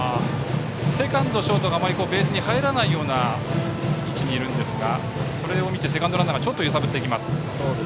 セカンド、ショートがあまりベースに入らないような位置にいるんですがそれを見てセカンドランナーがちょっと揺さぶってきます。